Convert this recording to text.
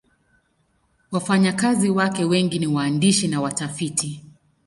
Wafanyakazi wake wengi ni waandishi na watafiti.